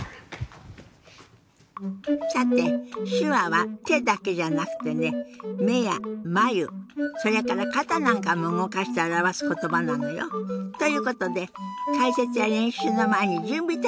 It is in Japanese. さて手話は手だけじゃなくてね目や眉それから肩なんかも動かして表す言葉なのよ。ということで解説や練習の前に準備体操をやりましょう。